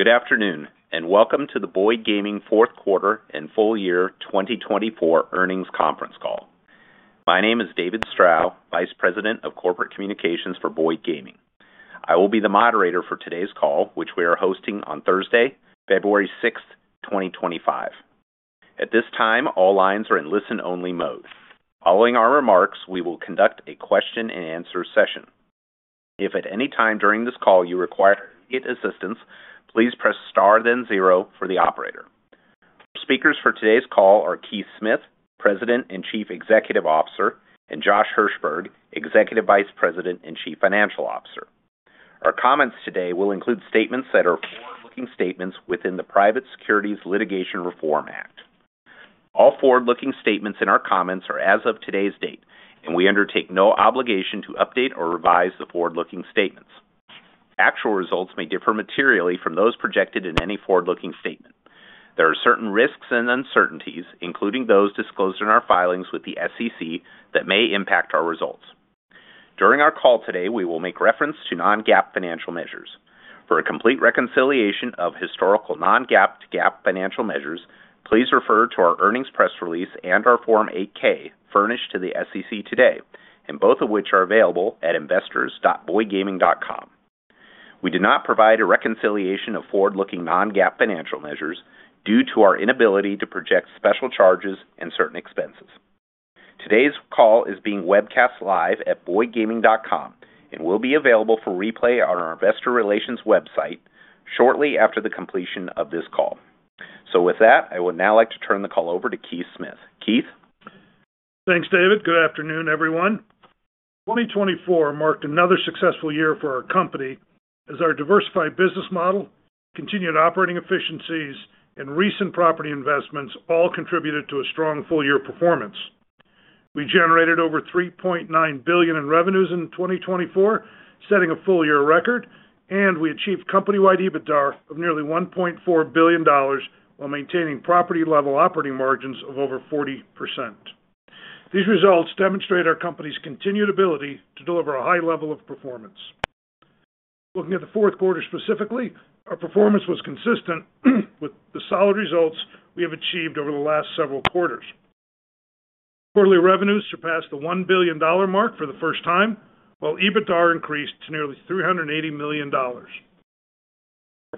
Good afternoon and welcome to the Boyd Gaming Q4 and Full Year 2024 Earnings Conference Call. My name is David Strow, Vice President of Corporate Communications for Boyd Gaming. I will be the moderator for today's call, which we are hosting on Thursday, February 6th, 2025. At this time, all lines are in listen-only mode. Following our remarks, we will conduct a question-and-answer session. If at any time during this call you require immediate assistance, please press star then zero for the operator. Our speakers for today's call are Keith Smith, President and Chief Executive Officer, and Josh Hirsberg, Executive Vice President and Chief Financial Officer. Our comments today will include statements that are forward-looking statements within the Private Securities Litigation Reform Act. All forward-looking statements in our comments are as of today's date, and we undertake no obligation to update or revise the forward-looking statements. Actual results may differ materially from those projected in any forward-looking statement. There are certain risks and uncertainties, including those disclosed in our filings with the SEC, that may impact our results. During our call today, we will make reference to non-GAAP financial measures. For a complete reconciliation of historical non-GAAP to GAAP financial measures, please refer to our earnings press release and our Form 8-K furnished to the SEC today, and both of which are available at investors.boydgaming.com. We do not provide a reconciliation of forward-looking non-GAAP financial measures due to our inability to project special charges and certain expenses. Today's call is being webcast live at boydgaming.com and will be available for replay on our investor relations website shortly after the completion of this call. With that, I would now like to turn the call over to Keith Smith. Keith. Thanks, David. Good afternoon, everyone. 2024 marked another successful year for our company as our diversified business model, continued operating efficiencies, and recent property investments all contributed to a strong full-year performance. We generated over $3.9 billion in revenues in 2024, setting a full-year record, and we achieved company-wide EBITDA of nearly $1.4 billion while maintaining property-level operating margins of over 40%. These results demonstrate our company's continued ability to deliver a high level of performance. Looking at the Q4 specifically, our performance was consistent with the solid results we have achieved over the last several quarters. Quarterly revenues surpassed the $1 billion mark for the first time, while EBITDA increased to nearly $380 million. Our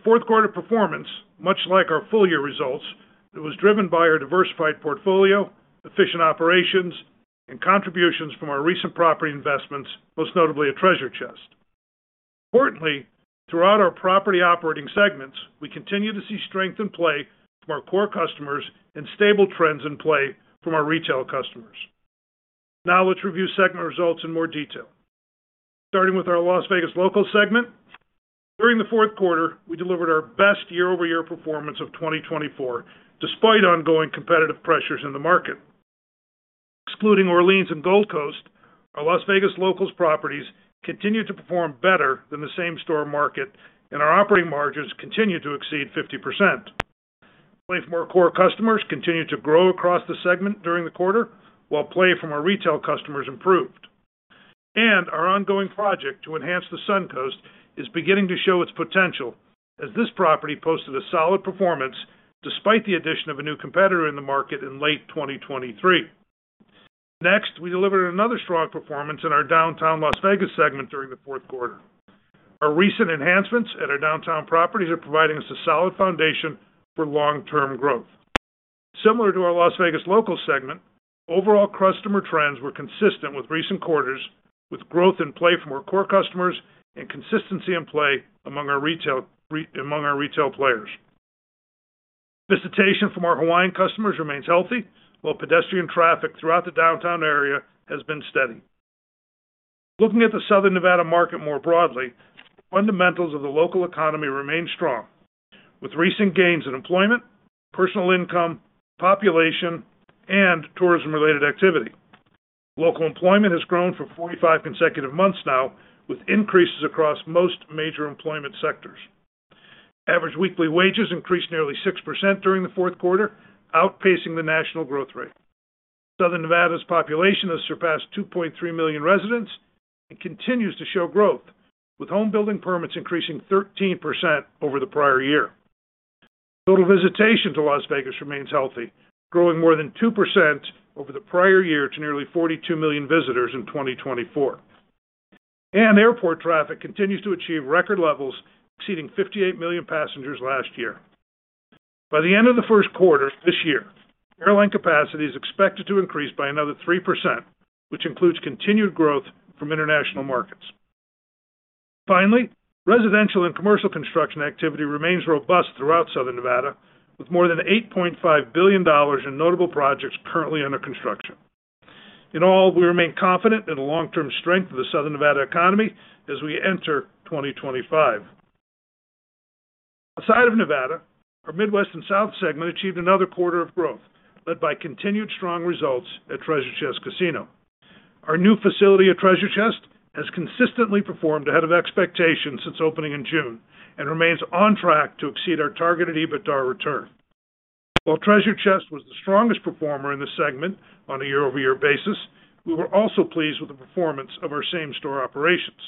Q4 performance, much like our full-year results, was driven by our diversified portfolio, efficient operations, and contributions from our recent property investments, most notably Treasure Chest. Importantly, throughout our property operating segments, we continue to see strength in play from our core customers and stable trends in play from our retail customers. Now let's review segment results in more detail. Starting with our Las Vegas Locals segment, during the Q4, we delivered our best year-over-year performance of 2024 despite ongoing competitive pressures in the market. Excluding Orleans and Gold Coast, our Las Vegas Locals properties continued to perform better than the same-store market, and our operating margins continued to exceed 50%. Play from our core customers continued to grow across the segment during the quarter, while play from our retail customers improved. Our ongoing project to enhance the Suncoast is beginning to show its potential, as this property posted a solid performance despite the addition of a new competitor in the market in late 2023. Next, we delivered another strong performance in our Downtown Las Vegas segment during the Q4. Our recent enhancements at our downtown properties are providing us a solid foundation for long-term growth. Similar to our Las Vegas Locals segment, overall customer trends were consistent with recent quarters, with growth in play from our core customers and consistency in play among our retail players. Visitation from our Hawaiian customers remains healthy, while pedestrian traffic throughout the downtown area has been steady. Looking at the Southern Nevada market more broadly, the fundamentals of the local economy remain strong, with recent gains in employment, personal income, population, and tourism-related activity. Local employment has grown for 45 consecutive months now, with increases across most major employment sectors. Average weekly wages increased nearly 6% during the Q4, outpacing the national growth rate. Southern Nevada's population has surpassed 2.3 million residents and continues to show growth, with home-building permits increasing 13% over the prior year. Total visitation to Las Vegas remains healthy, growing more than 2% over the prior year to nearly 42 million visitors in 2024, and airport traffic continues to achieve record levels, exceeding 58 million passengers last year. By the end of the first quarter this year, airline capacity is expected to increase by another 3%, which includes continued growth from international markets. Finally, residential and commercial construction activity remains robust throughout Southern Nevada, with more than $8.5 billion in notable projects currently under construction. In all, we remain confident in the long-term strength of the Southern Nevada economy as we enter 2025. Outside of Nevada, our Midwest and South segment achieved another quarter of growth, led by continued strong results at Treasure Chest Casino. Our new facility at Treasure Chest has consistently performed ahead of expectations since opening in June and remains on track to exceed our targeted EBITDA return. While Treasure Chest was the strongest performer in the segment on a year-over-year basis, we were also pleased with the performance of our same-store operations.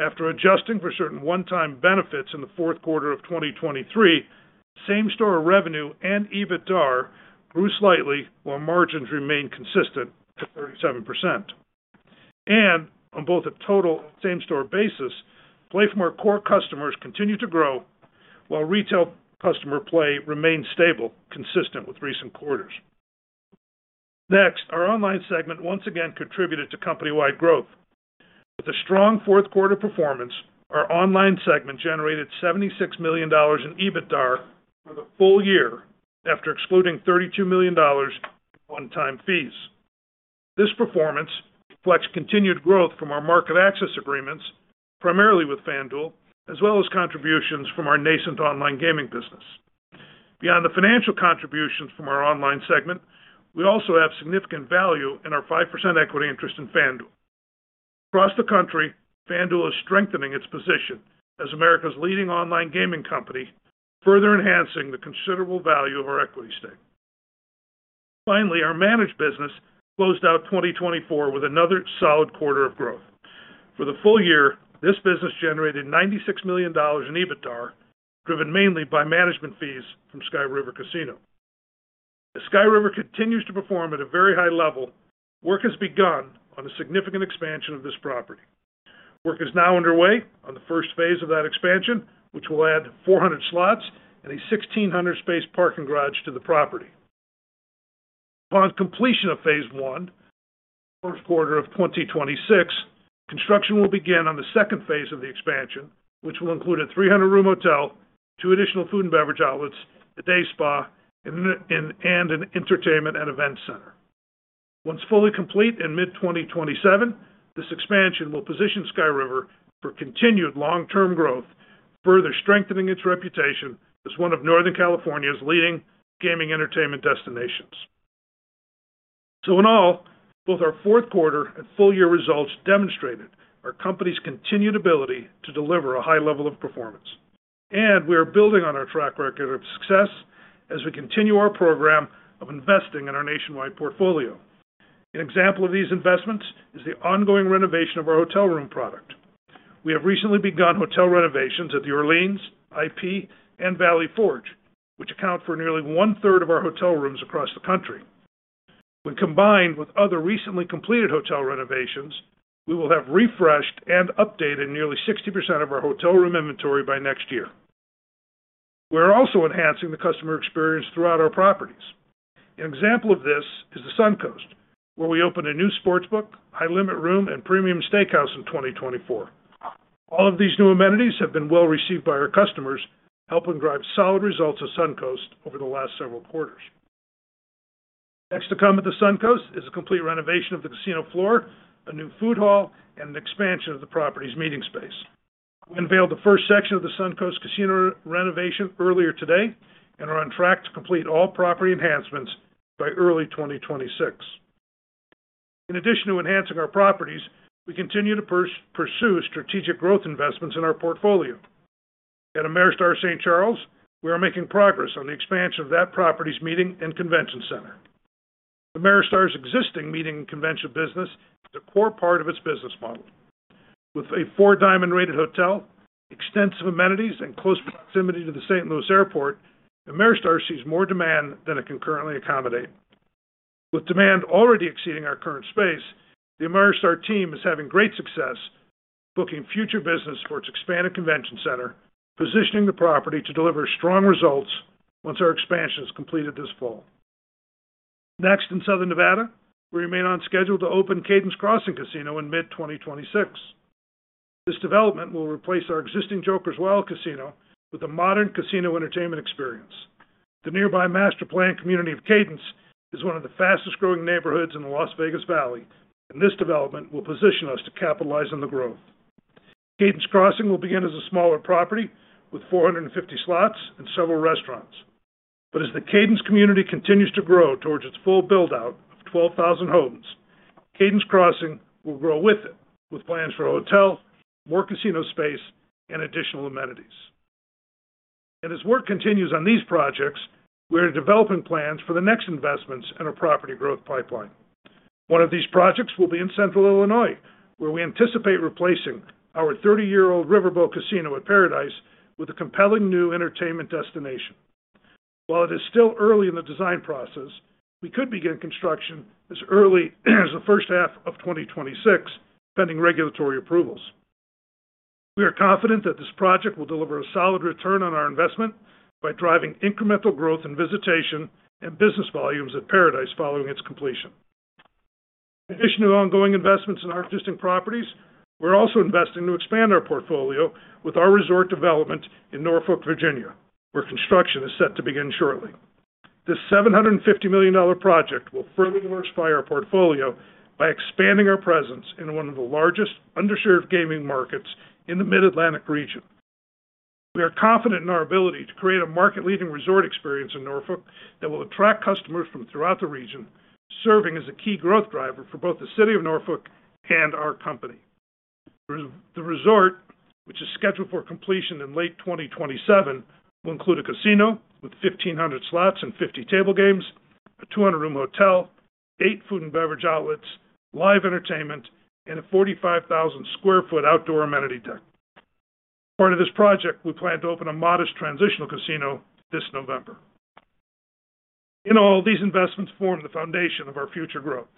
After adjusting for certain one-time benefits in the Q4 of 2023, same-store revenue and EBITDA grew slightly, while margins remained consistent at 37%. And on both a total and same-store basis, play from our core customers continued to grow, while retail customer play remained stable, consistent with recent quarters. Next, our Online segment once again contributed to company-wide growth. With a strong fourth-quarter performance, our Online segment generated $76 million in EBITDA for the full year after excluding $32 million in one-time fees. This performance reflects continued growth from our market access agreements, primarily with FanDuel, as well as contributions from our nascent online gaming business. Beyond the financial contributions from our Online segment, we also have significant value in our 5% equity interest in FanDuel. Across the country, FanDuel is strengthening its position as America's leading online gaming company, further enhancing the considerable value of our equity stake. Finally, our managed business closed out 2024 with another solid quarter of growth. For the full year, this business generated $96 million in EBITDA, driven mainly by management fees from Sky River Casino. As Sky River continues to perform at a very high level, work has begun on a significant expansion of this property. Work is now underway on the first phase of that expansion, which will add 400 slots and a 1,600-space parking garage to the property. Upon completion of phase one in the first quarter of 2026, construction will begin on the second phase of the expansion, which will include a 300-room hotel, two additional food and beverage outlets, a day spa, and an entertainment and events center. Once fully complete in mid-2027, this expansion will position Sky River for continued long-term growth, further strengthening its reputation as one of Northern California's leading gaming entertainment destinations. So in all, both our Q4 and full-year results demonstrated our company's continued ability to deliver a high level of performance. And we are building on our track record of success as we continue our program of investing in our nationwide portfolio. An example of these investments is the ongoing renovation of our hotel room product. We have recently begun hotel renovations at the Orleans, IP, and Valley Forge, which account for nearly one-third of our hotel rooms across the country. When combined with other recently completed hotel renovations, we will have refreshed and updated nearly 60% of our hotel room inventory by next year. We are also enhancing the customer experience throughout our properties. An example of this is the Suncoast, where we opened a new sports book, high-limit room, and premium steakhouse in 2024. All of these new amenities have been well received by our customers, helping drive solid results at Suncoast over the last several quarters. Next to come at the Suncoast is a complete renovation of the casino floor, a new food hall, and an expansion of the property's meeting space. We unveiled the first section of the Suncoast casino renovation earlier today and are on track to complete all property enhancements by early 2026. In addition to enhancing our properties, we continue to pursue strategic growth investments in our portfolio. At Ameristar St. Charles, we are making progress on the expansion of that property's meeting and convention center. Ameristar's existing meeting and convention business is a core part of its business model. With a four-diamond-rated hotel, extensive amenities, and close proximity to the St. Louis Airport, Ameristar sees more demand than it can currently accommodate. With demand already exceeding our current space, the Ameristar team is having great success in booking future business for its expanded convention center, positioning the property to deliver strong results once our expansion is completed this fall. Next in Southern Nevada, we remain on schedule to open Cadence Crossing Casino in mid-2026. This development will replace our existing Jokers Wild Casino with a modern casino entertainment experience. The nearby master-planned community of Cadence is one of the fastest-growing neighborhoods in the Las Vegas Valley, and this development will position us to capitalize on the growth. Cadence Crossing will begin as a smaller property with 450 slots and several restaurants. But as the Cadence community continues to grow towards its full build-out of 12,000 homes, Cadence Crossing will grow with it, with plans for a hotel, more casino space, and additional amenities. And as work continues on these projects, we are developing plans for the next investments in our property growth pipeline. One of these projects will be in Central Illinois, where we anticipate replacing our 30-year-old Par-A-Dice Hotel Casino with a compelling new entertainment destination. While it is still early in the design process, we could begin construction as early as the first half of 2026, pending regulatory approvals. We are confident that this project will deliver a solid return on our investment by driving incremental growth in visitation and business volumes at Par-A-Dice following its completion. In addition to ongoing investments in our existing properties, we're also investing to expand our portfolio with our resort development in Norfolk, Virginia, where construction is set to begin shortly. This $750 million project will further diversify our portfolio by expanding our presence in one of the largest underserved gaming markets in the Mid-Atlantic region. We are confident in our ability to create a market-leading resort experience in Norfolk that will attract customers from throughout the region, serving as a key growth driver for both the city of Norfolk and our company. The resort, which is scheduled for completion in late 2027, will include a casino with 1,500 slots and 50 table games, a 200-room hotel, eight food and beverage outlets, live entertainment, and a 45,000-sq-ft outdoor amenity deck. As part of this project, we plan to open a modest transitional casino this November. In all, these investments form the foundation of our future growth.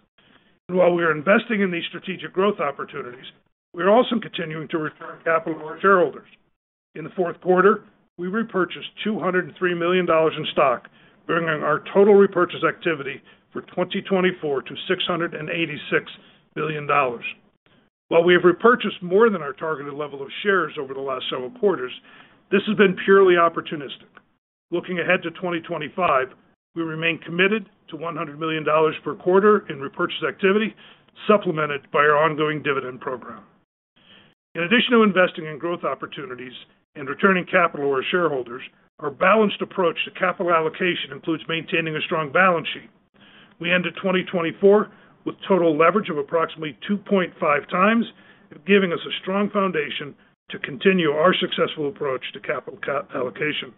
And while we are investing in these strategic growth opportunities, we are also continuing to return capital to our shareholders. In the Q4, we repurchased $203 million in stock, bringing our total repurchase activity for 2024 to $686 million. While we have repurchased more than our targeted level of shares over the last several quarters, this has been purely opportunistic. Looking ahead to 2025, we remain committed to $100 million per quarter in repurchase activity, supplemented by our ongoing dividend program. In addition to investing in growth opportunities and returning capital to our shareholders, our balanced approach to capital allocation includes maintaining a strong balance sheet. We ended 2024 with total leverage of approximately 2.5 times, giving us a strong foundation to continue our successful approach to capital allocation.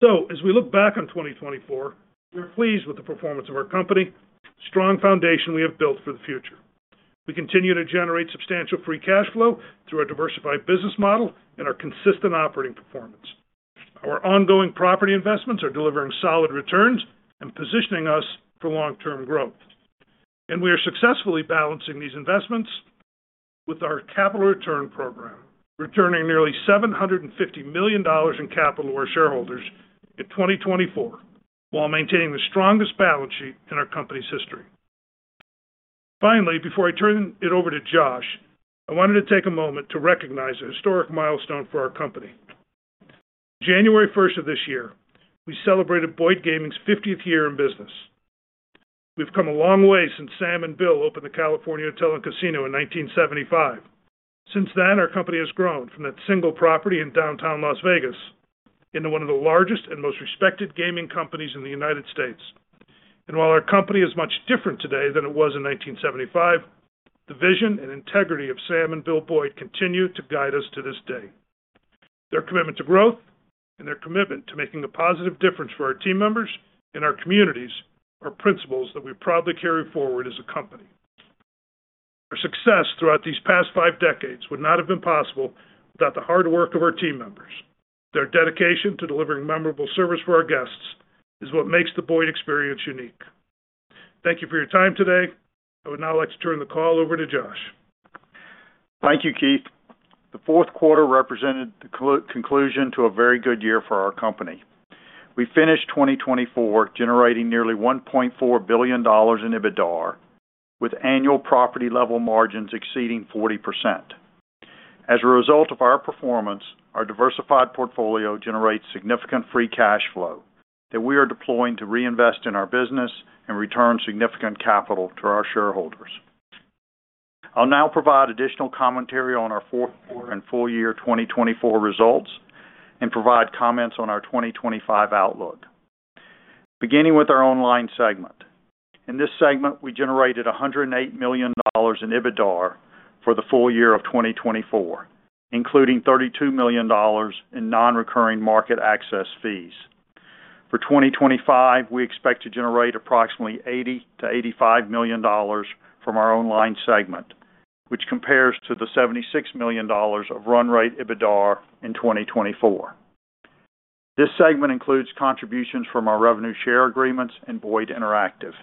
So, as we look back on 2024, we are pleased with the performance of our company, the strong foundation we have built for the future. We continue to generate substantial free cash flow through our diversified business model and our consistent operating performance. Our ongoing property investments are delivering solid returns and positioning us for long-term growth. And we are successfully balancing these investments with our capital return program, returning nearly $750 million in capital to our shareholders in 2024, while maintaining the strongest balance sheet in our company's history. Finally, before I turn it over to Josh, I wanted to take a moment to recognize a historic milestone for our company. On January 1st of this year, we celebrated Boyd Gaming's 50th year in business. We've come a long way since Sam and Bill opened the California Hotel and Casino in 1975. Since then, our company has grown from that single property in downtown Las Vegas into one of the largest and most respected gaming companies in the United States. And while our company is much different today than it was in 1975, the vision and integrity of Sam and Bill Boyd continue to guide us to this day. Their commitment to growth and their commitment to making a positive difference for our team members and our communities are principles that we proudly carry forward as a company. Our success throughout these past five decades would not have been possible without the hard work of our team members. Their dedication to delivering memorable service for our guests is what makes the Boyd experience unique. Thank you for your time today. I would now like to turn the call over to Josh. Thank you, Keith. The Q4 represented the conclusion to a very good year for our company. We finished 2024 generating nearly $1.4 billion in EBITDA, with annual property-level margins exceeding 40%. As a result of our performance, our diversified portfolio generates significant free cash flow that we are deploying to reinvest in our business and return significant capital to our shareholders. I'll now provide additional commentary on our Q4 and full-year 2024 results and provide comments on our 2025 outlook. Beginning with our Online segment. In this segment, we generated $108 million in EBITDA for the full year of 2024, including $32 million in non-recurring market access fees. For 2025, we expect to generate approximately $80-$85 million from our Online segment, which compares to the $76 million of run rate EBITDA in 2024. This segment includes contributions from our revenue share agreements and Boyd Interactive.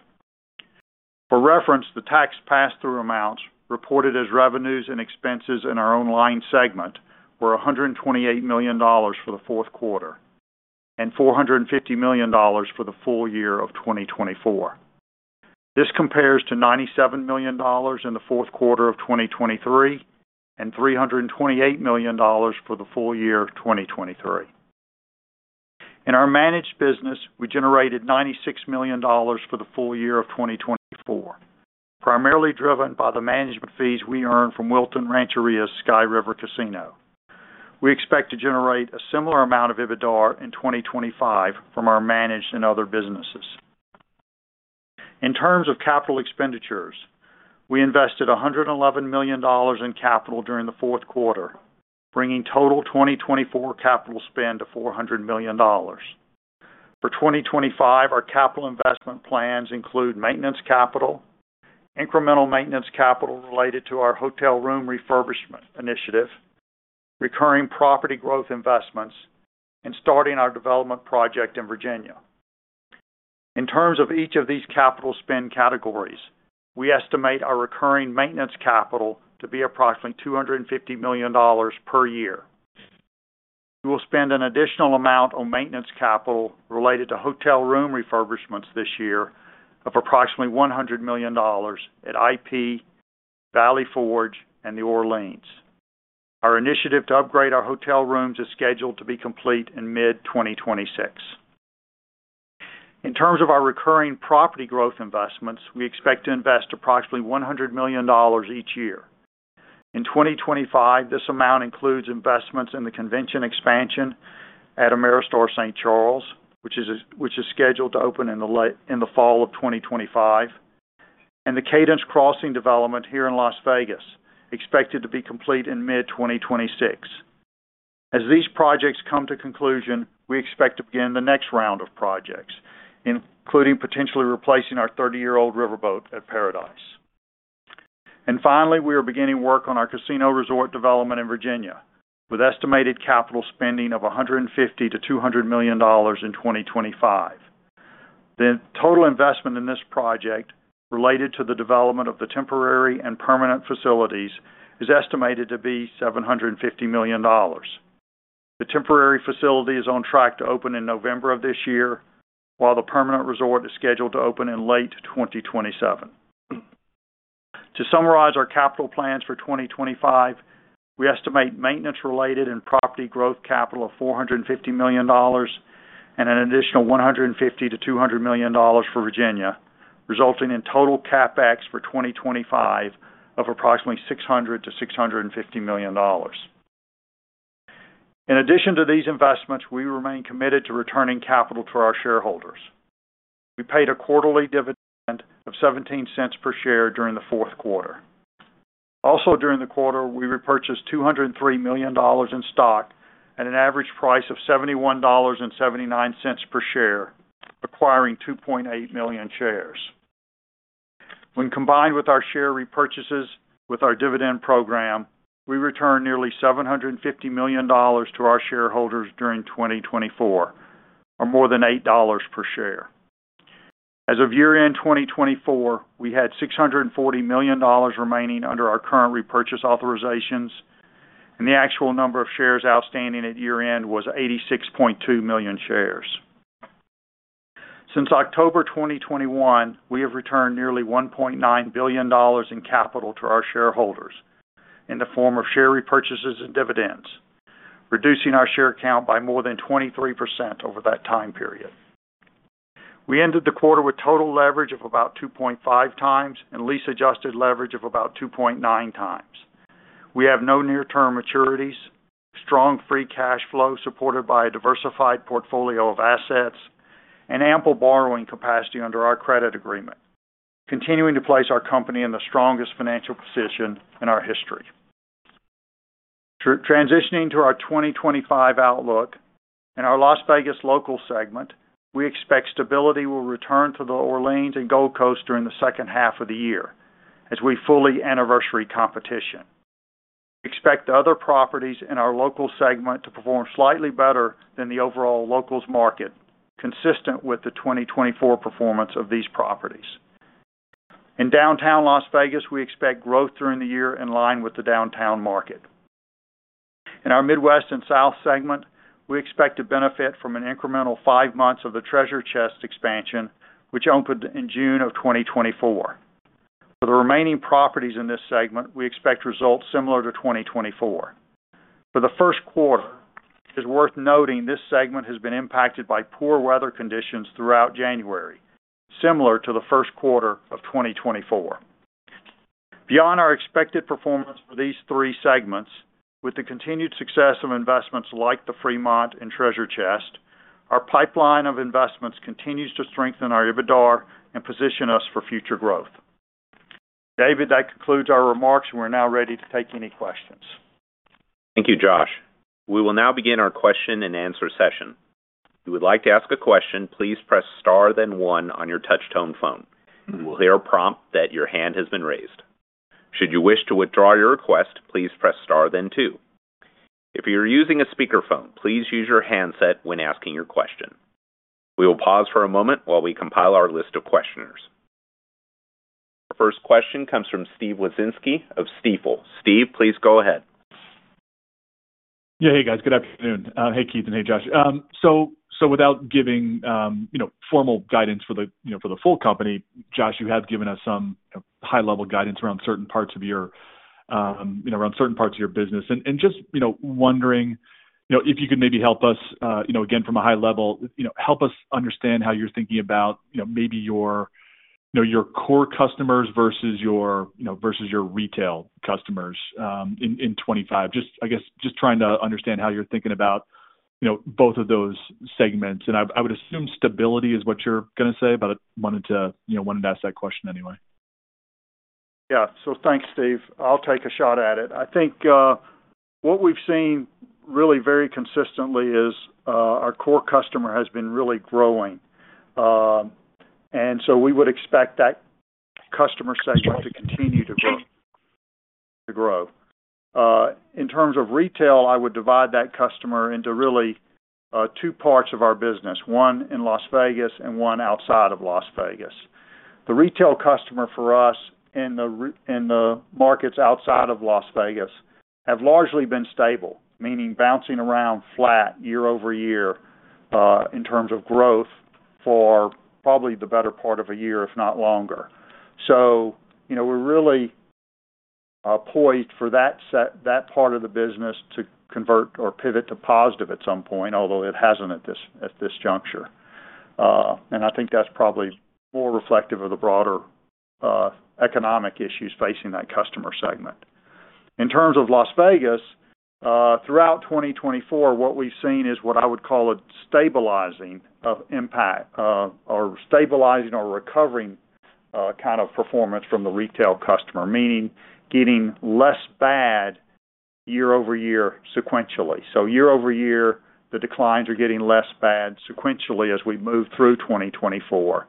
For reference, the tax pass-through amounts reported as revenues and expenses in our Online segment were $128 million for the Q4 and $450 million for the full year of 2024. This compares to $97 million in the Q4 of 2023 and $328 million for the full year of 2023. In our managed business, we generated $96 million for the full year of 2024, primarily driven by the management fees we earned from Wilton Rancheria's Sky River Casino. We expect to generate a similar amount of EBITDA in 2025 from our Managed and Other businesses. In terms of capital expenditures, we invested $111 million in capital during the Q4, bringing total 2024 capital spend to $400 million. For 2025, our capital investment plans include maintenance capital, incremental maintenance capital related to our hotel room refurbishment initiative, recurring property growth investments, and starting our development project in Virginia. In terms of each of these capital spend categories, we estimate our recurring maintenance capital to be approximately $250 million per year. We will spend an additional amount on maintenance capital related to hotel room refurbishments this year of approximately $100 million at IP, Valley Forge, and the Orleans. Our initiative to upgrade our hotel rooms is scheduled to be complete in mid-2026. In terms of our recurring property growth investments, we expect to invest approximately $100 million each year. In 2025, this amount includes investments in the convention expansion at Ameristar St. Charles, which is scheduled to open in the fall of 2025, and the Cadence Crossing development here in Las Vegas, expected to be complete in mid-2026. As these projects come to conclusion, we expect to begin the next round of projects, including potentially replacing our 30-year-old riverboat at Par-A-Dice. Finally, we are beginning work on our casino resort development in Virginia, with estimated capital spending of $150-$200 million in 2025. The total investment in this project related to the development of the temporary and permanent facilities is estimated to be $750 million. The temporary facility is on track to open in November of this year, while the permanent resort is scheduled to open in late 2027. To summarize our capital plans for 2025, we estimate maintenance-related and property growth capital of $450 million and an additional $150-$200 million for Virginia, resulting in total CapEx for 2025 of approximately $600-$650 million. In addition to these investments, we remain committed to returning capital to our shareholders. We paid a quarterly dividend of $0.17 per share during the Q4. Also, during the quarter, we repurchased $203 million in stock at an average price of $71.79 per share, acquiring 2.8 million shares. When combined with our share repurchases with our dividend program, we returned nearly $750 million to our shareholders during 2024, or more than $8 per share. As of year-end 2024, we had $640 million remaining under our current repurchase authorizations, and the actual number of shares outstanding at year-end was 86.2 million shares. Since October 2021, we have returned nearly $1.9 billion in capital to our shareholders in the form of share repurchases and dividends, reducing our share count by more than 23% over that time period. We ended the quarter with total leverage of about 2.5 times and lease-adjusted leverage of about 2.9 times. We have no near-term maturities, strong free cash flow supported by a diversified portfolio of assets, and ample borrowing capacity under our credit agreement, continuing to place our company in the strongest financial position in our history. Transitioning to our 2025 outlook and our Las Vegas Locals segment, we expect stability will return to the Orleans and Gold Coast during the second half of the year as we fully anniversary competition. We expect the other properties in our local segment to perform slightly better than the overall locals market, consistent with the 2024 performance of these properties. In downtown Las Vegas, we expect growth during the year in line with the downtown market. In our Midwest and South segment, we expect to benefit from an incremental five months of the Treasure Chest expansion, which opened in June of 2024. For the remaining properties in this segment, we expect results similar to 2024. For the first quarter, it is worth noting this segment has been impacted by poor weather conditions throughout January, similar to the first quarter of 2024. Beyond our expected performance for these three segments, with the continued success of investments like the Fremont and Treasure Chest, our pipeline of investments continues to strengthen our EBITDA and position us for future growth. David, that concludes our remarks, and we're now ready to take any questions. Thank you, Josh. We will now begin our question-and-answer session. If you would like to ask a question, please press star then one on your touch-tone phone. You will hear a prompt that your hand has been raised. Should you wish to withdraw your request, please press star then two. If you're using a speakerphone, please use your handset when asking your question. We will pause for a moment while we compile our list of questioners. Our first question comes from Steve Wieczynski of Stifel. Steve, please go ahead. Yeah, hey, guys. Good afternoon. Hey, Keith, and hey, Josh. So without giving formal guidance for the full company, Josh, you have given us some high-level guidance around certain parts of your business. And just wondering if you could maybe help us, again, from a high level, help us understand how you're thinking about maybe your core customers versus your retail customers in 2025. Just, I guess, just trying to understand how you're thinking about both of those segments. And I would assume stability is what you're going to say, but I wanted to ask that question anyway. Yeah. So thanks, Steve. I'll take a shot at it. I think what we've seen really very consistently is our core customer has been really growing. And so we would expect that customer segment to continue to grow. In terms of retail, I would divide that customer into really two parts of our business, one in Las Vegas and one outside of Las Vegas. The retail customer for us in the markets outside of Las Vegas have largely been stable, meaning bouncing around flat year over year in terms of growth for probably the better part of a year, if not longer. So we're really poised for that part of the business to convert or pivot to positive at some point, although it hasn't at this juncture. And I think that's probably more reflective of the broader economic issues facing that customer segment. In terms of Las Vegas, throughout 2024, what we've seen is what I would call a stabilizing of impact or stabilizing or recovering kind of performance from the retail customer, meaning getting less bad year over year sequentially. So year over year, the declines are getting less bad sequentially as we move through 2024.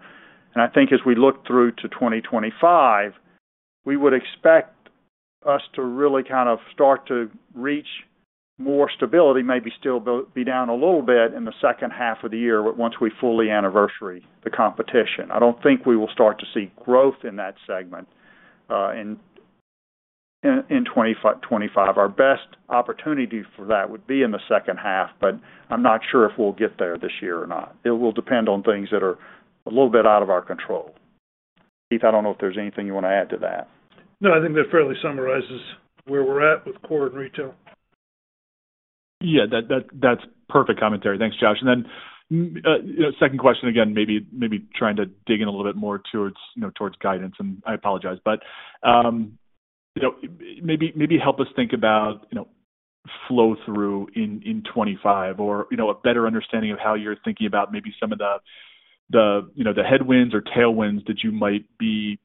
And I think as we look through to 2025, we would expect us to really kind of start to reach more stability, maybe still be down a little bit in the second half of the year once we fully anniversary the competition. I don't think we will start to see growth in that segment in 2025. Our best opportunity for that would be in the second half, but I'm not sure if we'll get there this year or not. It will depend on things that are a little bit out of our control. Keith, I don't know if there's anything you want to add to that. No, I think that fairly summarizes where we're at with core and retail. Yeah, that's perfect commentary. Thanks, Josh. And then second question, again, maybe trying to dig in a little bit more towards guidance, and I apologize. But maybe help us think about flow-through in 2025 or a better understanding of how you're thinking about maybe some of the headwinds or tailwinds that you might be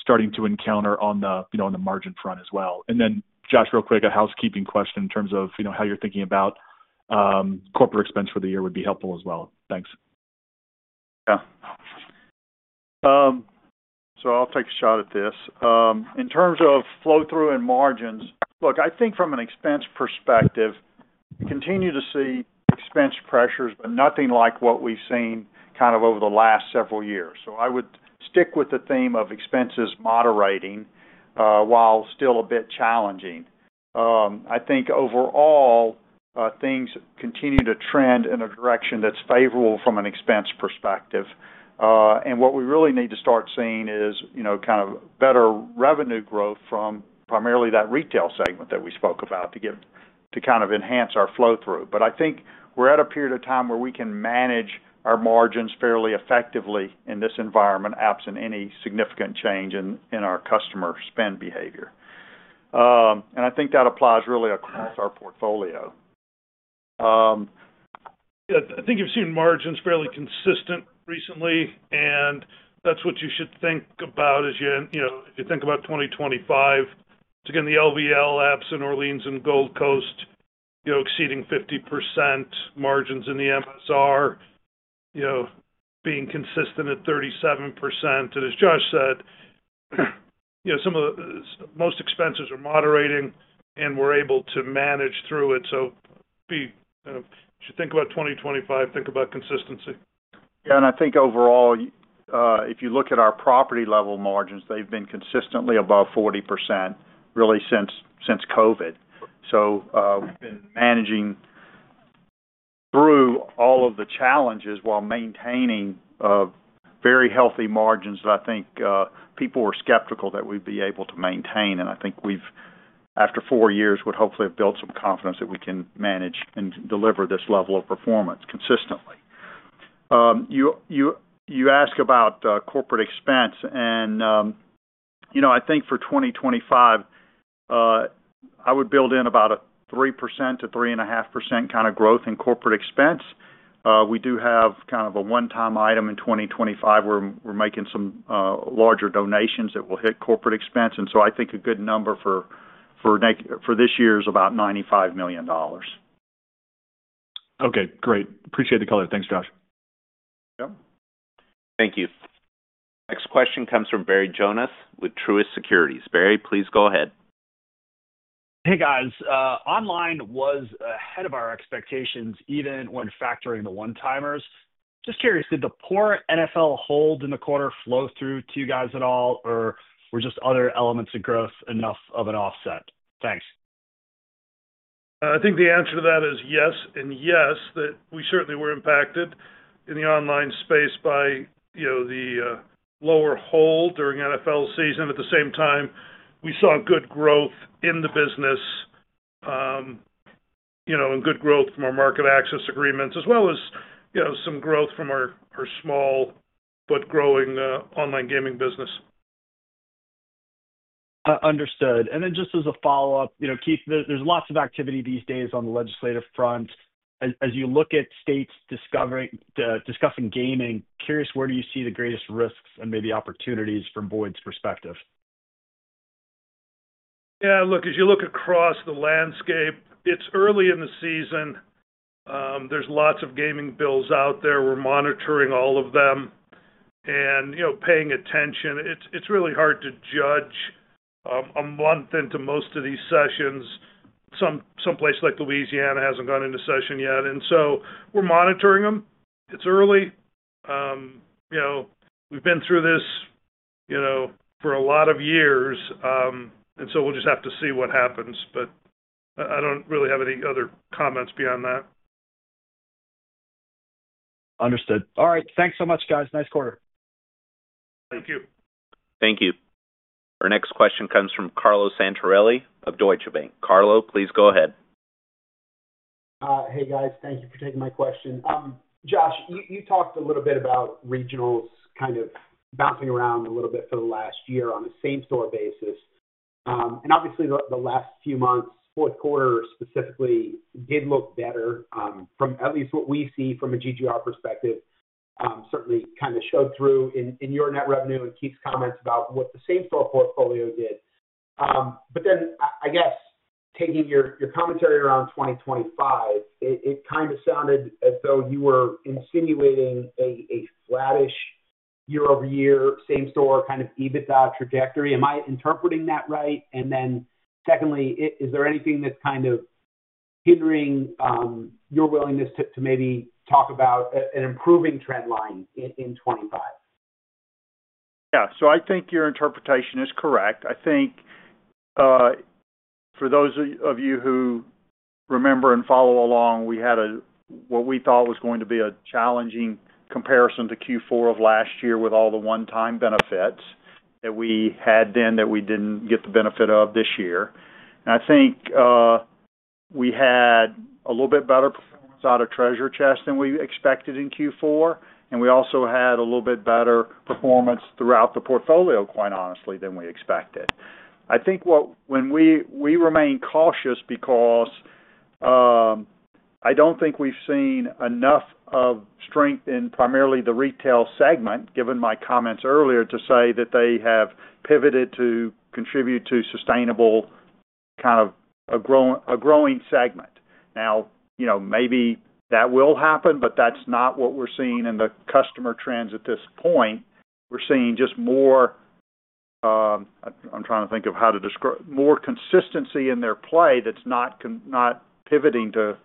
starting to encounter on the margin front as well. And then, Josh, real quick, a housekeeping question in terms of how you're thinking about corporate expense for the year would be helpful as well. Thanks. Yeah. So I'll take a shot at this. In terms of flow-through and margins, look, I think from an expense perspective, we continue to see expense pressures, but nothing like what we've seen kind of over the last several years. So I would stick with the theme of expenses moderating while still a bit challenging. I think overall, things continue to trend in a direction that's favorable from an expense perspective. And what we really need to start seeing is kind of better revenue growth from primarily that retail segment that we spoke about to kind of enhance our flow-through. But I think we're at a period of time where we can manage our margins fairly effectively in this environment absent any significant change in our customer spend behavior. And I think that applies really across our portfolio. Yeah, I think you've seen margins fairly consistent recently, and that's what you should think about as you think about 2025. It's again the LVL absent Orleans and Gold Coast exceeding 50% margins in the MSR being consistent at 37%. And as Josh said, some of the most expenses are moderating, and we're able to manage through it. So if you think about 2025, think about consistency. Yeah. And I think overall, if you look at our property-level margins, they've been consistently above 40% really since COVID. So we've been managing through all of the challenges while maintaining very healthy margins that I think people were skeptical that we'd be able to maintain. And I think after four years, we'd hopefully have built some confidence that we can manage and deliver this level of performance consistently. You ask about corporate expense, and I think for 2025, I would build in about a 3%-3.5% kind of growth in corporate expense. We do have kind of a one-time item in 2025 where we're making some larger donations that will hit corporate expense. And so I think a good number for this year is about $95 million. Okay. Great. Appreciate the color. Thanks, Josh. Yep. Thank you. Next question comes from Barry Jonas with Truist Securities. Barry, please go ahead. Hey, guys. Online was ahead of our expectations even when factoring the one-timers. Just curious, did the poor NFL hold in the quarter flow-through to you guys at all, or were just other elements of growth enough of an offset? Thanks. I think the answer to that is yes and yes, that we certainly were impacted in the Online space by the lower hold during NFL season. At the same time, we saw good growth in the business and good growth from our market access agreements, as well as some growth from our small but growing online gaming business. Understood. And then just as a follow-up, Keith, there's lots of activity these days on the legislative front. As you look at states discussing gaming, curious where do you see the greatest risks and maybe opportunities from Boyd's perspective? Yeah. Look, as you look across the landscape, it's early in the season. There's lots of gaming bills out there. We're monitoring all of them and paying attention. It's really hard to judge a month into most of these sessions. Someplace like Louisiana hasn't gone into session yet. And so we're monitoring them. It's early. We've been through this for a lot of years, and so we'll just have to see what happens. But I don't really have any other comments beyond that. Understood. All right. Thanks so much, guys. Nice quarter. Thank you. Thank you. Our next question comes from Carlo Santarelli of Deutsche Bank. Carlo, please go ahead. Hey, guys. Thank you for taking my question. Josh, you talked a little bit about regionals kind of bouncing around a little bit for the last year on a same-store basis. And obviously, the last few months, Q4 specifically, did look better from at least what we see from a GGR perspective. Certainly kind of showed through in your net revenue and Keith's comments about what the same-store portfolio did. But then I guess taking your commentary around 2025, it kind of sounded as though you were insinuating a flattish year-over-year same-store kind of EBITDA trajectory. Am I interpreting that right? And then secondly, is there anything that's kind of hindering your willingness to maybe talk about an improving trend line in '25? Yeah. So I think your interpretation is correct. I think for those of you who remember and follow along, we had what we thought was going to be a challenging comparison to Q4 of last year with all the one-time benefits that we had then that we didn't get the benefit of this year. And I think we had a little bit better performance out of Treasure Chest than we expected in Q4. We also had a little bit better performance throughout the portfolio, quite honestly, than we expected. I think when we remain cautious because I don't think we've seen enough of strength in primarily the retail segment, given my comments earlier, to say that they have pivoted to contribute to sustainable kind of a growing segment. Now, maybe that will happen, but that's not what we're seeing in the customer trends at this point. We're seeing just more, I'm trying to think of how to describe, more consistency in their play that's not pivoting to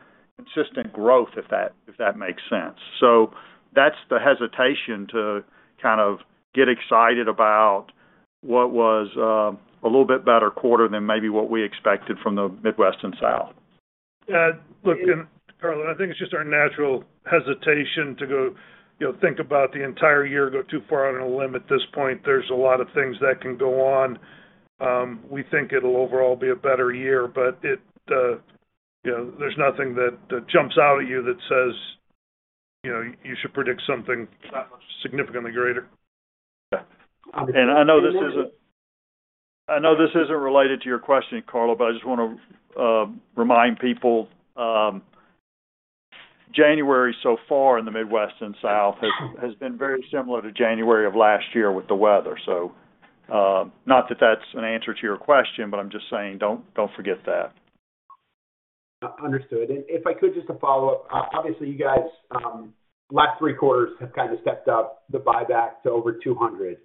consistent growth, if that makes sense. So that's the hesitation to kind of get excited about what was a little bit better quarter than maybe what we expected from the Midwest and South. Yeah. Look, Carlo, I think it's just our natural hesitation to go think about the entire year, go too far out on a limb at this point. There's a lot of things that can go on. We think it'll overall be a better year, but there's nothing that jumps out at you that says you should predict something that much significantly greater. Okay. And I know this isn't—I know this isn't related to your question, Carlo, but I just want to remind people January so far in the Midwest and South has been very similar to January of last year with the weather. So not that that's an answer to your question, but I'm just saying don't forget that. Understood. And if I could, just a follow-up. Obviously, you guys, last three quarters, have kind of stepped up the buyback to over 200.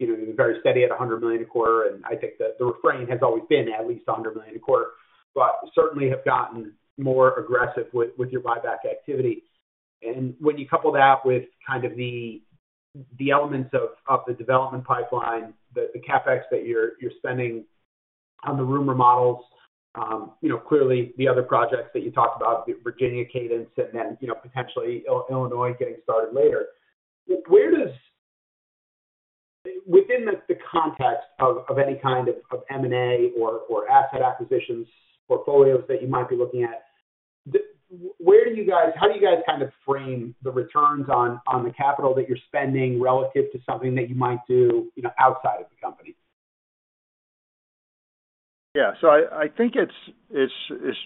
You've been very steady at $100 million a quarter. I think the refrain has always been at least $100 million a quarter, but certainly have gotten more aggressive with your buyback activity. When you couple that with kind of the elements of the development pipeline, the CapEx that you're spending on the room remodels, clearly the other projects that you talked about, Virginia, Cadence, and then potentially Illinois getting started later. Within the context of any kind of M&A or asset acquisitions portfolios that you might be looking at, how do you guys kind of frame the returns on the capital that you're spending relative to something that you might do outside of the company? Yeah. I think it's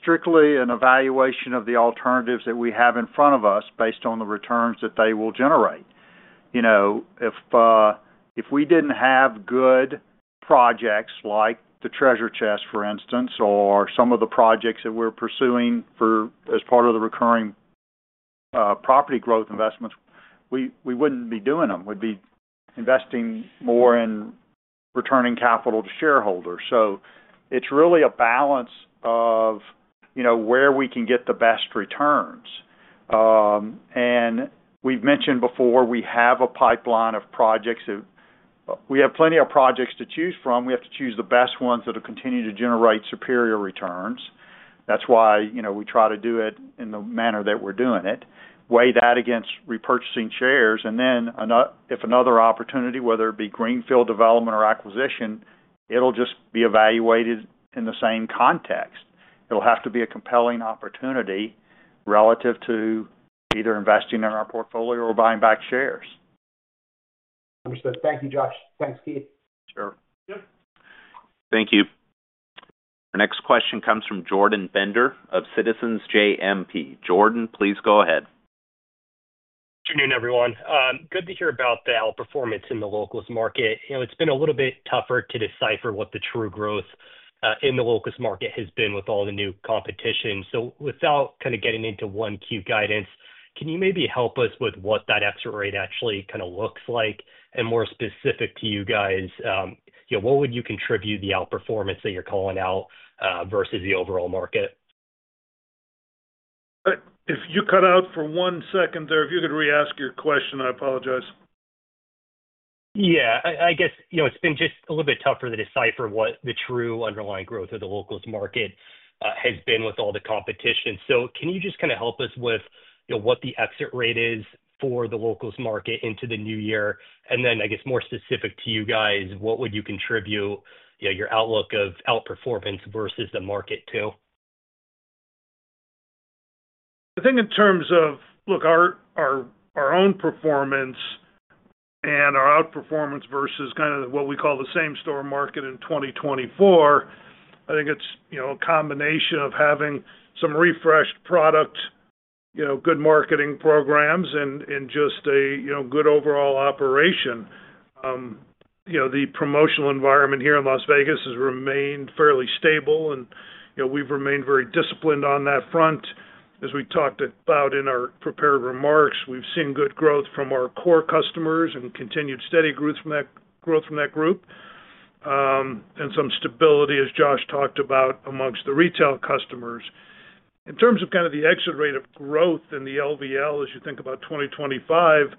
strictly an evaluation of the alternatives that we have in front of us based on the returns that they will generate. If we didn't have good projects like the Treasure Chest, for instance, or some of the projects that we're pursuing as part of the recurring property growth investments, we wouldn't be doing them. We'd be investing more in returning capital to shareholders. So it's really a balance of where we can get the best returns, and we've mentioned before we have a pipeline of projects. We have plenty of projects to choose from. We have to choose the best ones that will continue to generate superior returns. That's why we try to do it in the manner that we're doing it, weigh that against repurchasing shares, and then if another opportunity, whether it be greenfield development or acquisition, it'll just be evaluated in the same context. It'll have to be a compelling opportunity relative to either investing in our portfolio or buying back shares. Understood. Thank you, Josh. Thanks, Keith. Sure. Yep. Thank you. Our next question comes from Jordan Bender of Citizens JMP. Jordan, please go ahead. Good afternoon, everyone. Good to hear about the outperformance in the locals market. It's been a little bit tougher to decipher what the true growth in the locals market has been with all the new competition. So without kind of getting into one Q guidance, can you maybe help us with what that extra rate actually kind of looks like? And more specific to you guys, what would you attribute the outperformance that you're calling out versus the overall market? If you cut out for one second there, if you could re-ask your question, I apologize. Yeah. I guess it's been just a little bit tougher to decipher what the true underlying growth of the locals market has been with all the competition. So can you just kind of help us with what the exit rate is for the locals market into the new year? And then I guess more specific to you guys, what would you attribute your outlook of outperformance versus the market to? I think in terms of, look, our own performance and our outperformance versus kind of what we call the same-store market in 2024, I think it's a combination of having some refreshed product, good marketing programs, and just a good overall operation. The promotional environment here in Las Vegas has remained fairly stable, and we've remained very disciplined on that front. As we talked about in our prepared remarks, we've seen good growth from our core customers and continued steady growth from that group and some stability, as Josh talked about, amongst the retail customers. In terms of kind of the exit rate of growth and the LVL, as you think about 2025,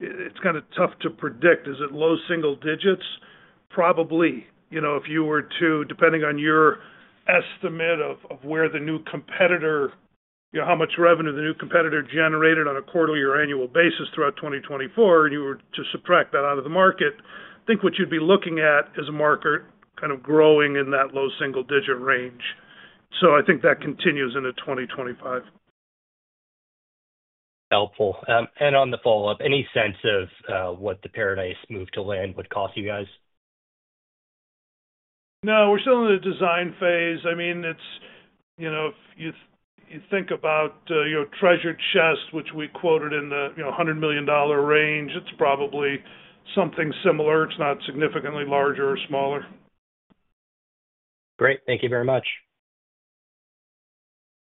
it's kind of tough to predict. Is it low single digits? Probably. If you were to, depending on your estimate of where the new competitor, how much revenue the new competitor generated on a quarterly or annual basis throughout 2024, and you were to subtract that out of the market, I think what you'd be looking at is a market kind of growing in that low single-digit range. So I think that continues into 2025. Helpful. And on the follow-up, any sense of what the Par-A-Dice move to land would cost you guys? No, we're still in the design phase. I mean, if you think about your Treasure Chest, which we quoted in the $100 million range, it's probably something similar. It's not significantly larger or smaller. Great. Thank you very much.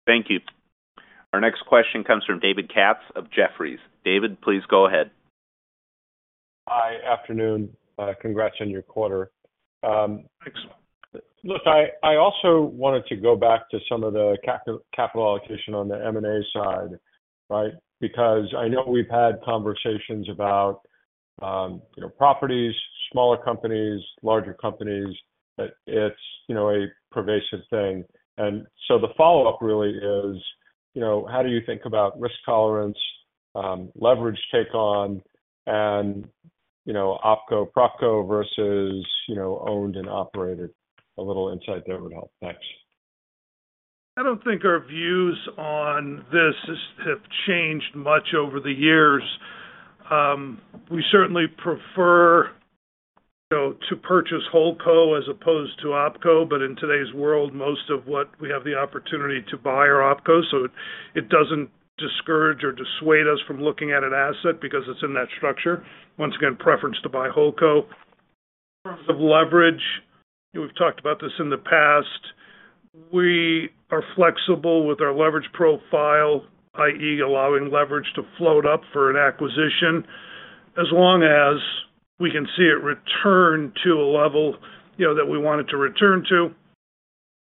Thank you. Our next question comes from David Katz of Jefferies. David, please go ahead. Hi. Afternoon. Congrats on your quarter. Thanks. Look, I also wanted to go back to some of the capital allocation on the M&A side, right? Because I know we've had conversations about properties, smaller companies, larger companies, that it's a pervasive thing. And so the follow-up really is, how do you think about risk tolerance, leverage take-on, and OpCo-PropCo versus owned and operated? A little insight there would help. Thanks. I don't think our views on this have changed much over the years. We certainly prefer to purchase WholeCo as opposed to OpCo, but in today's world, most of what we have the opportunity to buy are OpCo. So it doesn't discourage or dissuade us from looking at an asset because it's in that structure. Once again, preference to buy WholeCo. In terms of leverage, we've talked about this in the past. We are flexible with our leverage profile, i.e., allowing leverage to float up for an acquisition as long as we can see it return to a level that we want it to return to.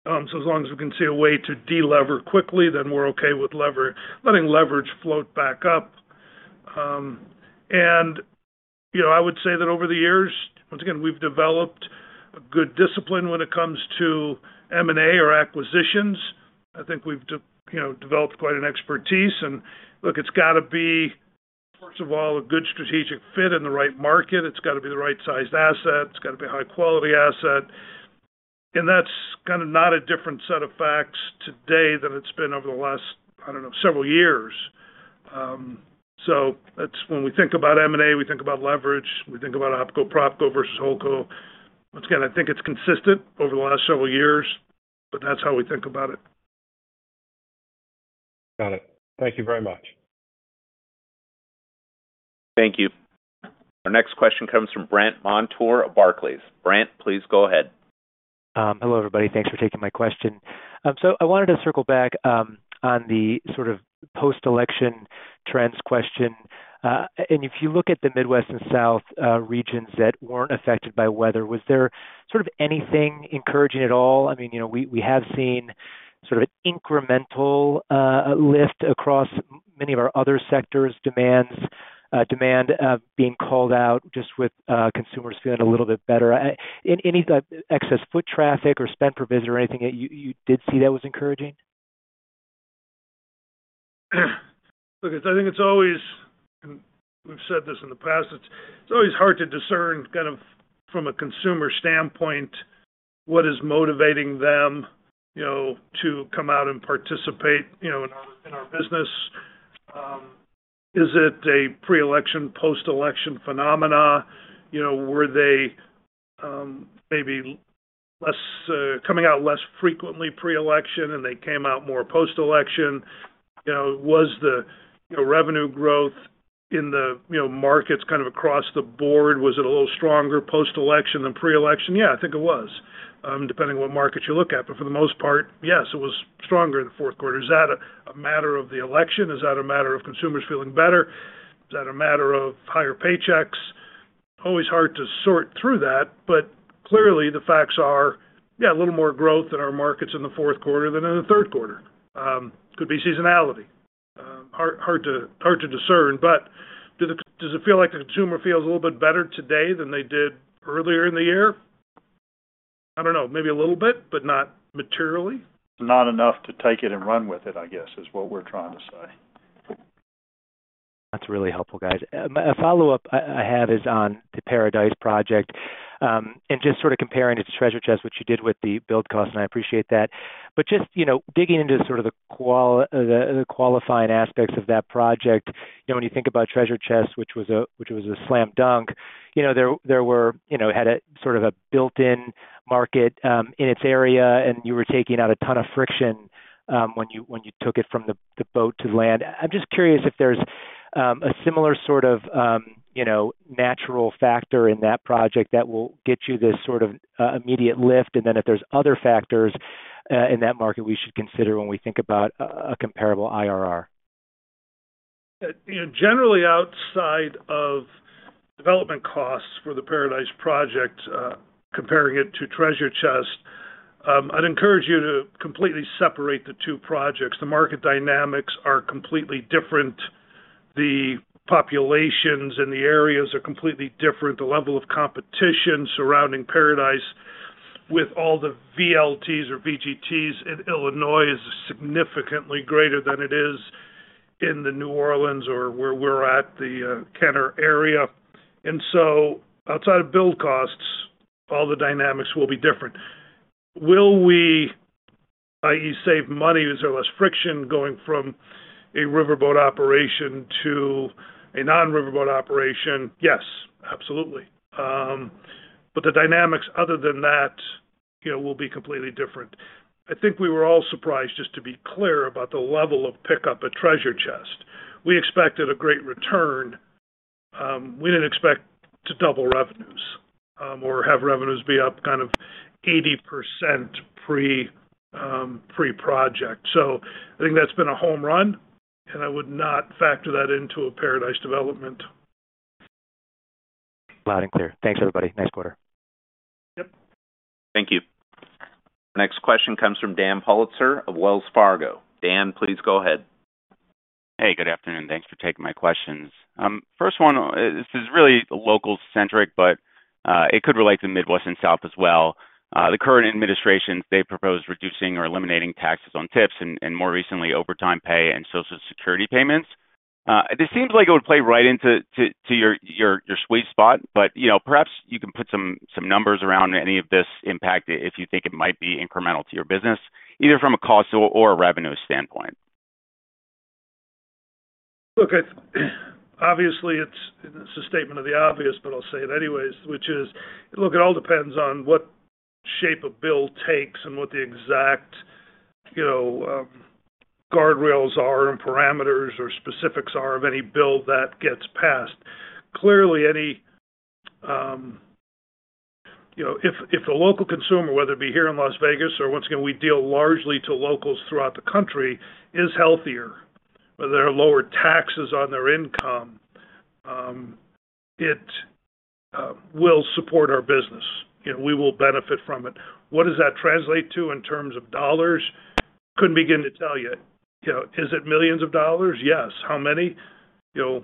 So as long as we can see a way to deliver quickly, then we're okay with letting leverage float back up. And I would say that over the years, once again, we've developed a good discipline when it comes to M&A or acquisitions. I think we've developed quite an expertise. And look, it's got to be, first of all, a good strategic fit in the right market. It's got to be the right-sized asset. It's got to be a high-quality asset. And that's kind of not a different set of facts today than it's been over the last, I don't know, several years. So when we think about M&A, we think about leverage. We think about OpCo-PropCo versus WholeCo. Once again, I think it's consistent over the last several years, but that's how we think about it. Got it. Thank you very much. Thank you. Our next question comes from Brandt Montour of Barclays. Brent, please go ahead. Hello, everybody. Thanks for taking my question. So I wanted to circle back on the sort of post-election trends question. And if you look at the Midwest and South regions that weren't affected by weather, was there sort of anything encouraging at all? I mean, we have seen sort of an incremental lift across many of our other sectors, demand being called out just with consumers feeling a little bit better. Any excess foot traffic or spend per visitor or anything that you did see that was encouraging? Look, I think it's always, and we've said this in the past, it's always hard to discern kind of from a consumer standpoint what is motivating them to come out and participate in our business. Is it a pre-election, post-election phenomena? Were they maybe coming out less frequently pre-election and they came out more post-election? Was the revenue growth in the markets kind of across the board, was it a little stronger post-election than pre-election? Yeah, I think it was, depending on what markets you look at. But for the most part, yes, it was stronger in the Q4. Is that a matter of the election? Is that a matter of consumers feeling better? Is that a matter of higher paychecks? Always hard to sort through that. But clearly, the facts are, yeah, a little more growth in our markets in the Q4 than in the Q3. Could be seasonality. Hard to discern, but does it feel like the consumer feels a little bit better today than they did earlier in the year? I don't know. Maybe a little bit, but not materially. Not enough to take it and run with it, I guess, is what we're trying to say. That's really helpful, guys. A follow-up I have is on the Par-A-Dice project and just sort of comparing it to Treasure Chest, which you did with the build cost, and I appreciate that. But just digging into sort of the qualifying aspects of that project, when you think about Treasure Chest, which was a slam dunk, there were, it had sort of a built-in market in its area, and you were taking out a ton of friction when you took it from the boat to land. I'm just curious if there's a similar sort of natural factor in that project that will get you this sort of immediate lift, and then if there's other factors in that market we should consider when we think about a comparable IRR. Generally, outside of development costs for the Par-A-Dice Project, comparing it to Treasure Chest, I'd encourage you to completely separate the two projects. The market dynamics are completely different. The populations and the areas are completely different. The level of competition surrounding Par-A-Dice with all the VLTs or VGTs in Illinois is significantly greater than it is in the New Orleans or where we're at, the Kenner area. And so outside of build costs, all the dynamics will be different. Will we, i.e., save money? Is there less friction going from a riverboat operation to a non-riverboat operation? Yes, absolutely. But the dynamics other than that will be completely different. I think we were all surprised, just to be clear, about the level of pickup at Treasure Chest. We expected a great return. We didn't expect to double revenues or have revenues be up kind of 80% pre-project. So I think that's been a home run, and I would not factor that into a Par-A-Dice development. Loud and clear. Thanks, everybody. Next quarter. Yep. Thank you. Our next question comes from Dan Politzer of Wells Fargo. Dan, please go ahead. Hey, good afternoon. Thanks for taking my questions. First one, this is really locals-centric, but it could relate to the Midwest and South as well. The current administrations, they propose reducing or eliminating taxes on tips and, more recently, overtime pay and Social Security payments. This seems like it would play right into your sweet spot, but perhaps you can put some numbers around any of this impact if you think it might be incremental to your business, either from a cost or a revenue standpoint. Look, obviously, it's a statement of the obvious, but I'll say it anyways, which is, look, it all depends on what shape a bill takes and what the exact guardrails are and parameters or specifics are of any bill that gets passed. Clearly, if the local consumer, whether it be here in Las Vegas or, once again, we deal largely to locals throughout the country, is healthier, whether there are lower taxes on their income, it will support our business. We will benefit from it. What does that translate to in terms of dollars? Couldn't begin to tell you. Is it millions of dollars? Yes. How many? 1